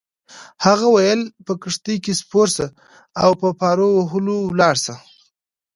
هغه وویل: په کښتۍ کي سپور شه او په پارو وهلو ولاړ شه.